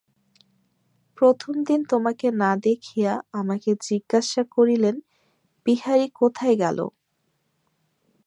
প্রথম দিন তোমাকে না দেখিয়া আমাকে জিজ্ঞাসা করিলেন, বিহারী কোথায় গেল।